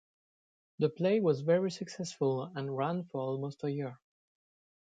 The play was very successful and ran for almost a year.